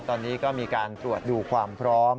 ตอนนี้ก็มีการตรวจดูความพร้อม